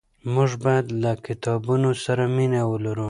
موږ باید له کتابونو سره مینه ولرو.